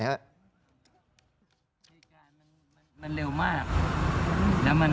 มันเร็วมาก